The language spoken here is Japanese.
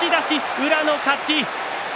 宇良の勝ち。